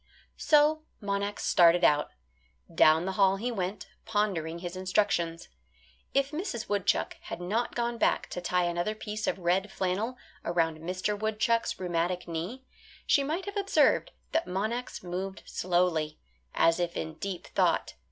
So Monax started out. Down the hall he went, pondering his instructions. If Mrs. Woodchuck had not gone back to tie another piece of red flannel around Mr. Woodchuck's rheumatic knee, she might have observed that Monax moved slowly, as if in deep thought.